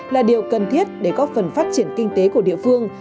là điều cần thiết để góp phần phát triển kinh tế của địa phương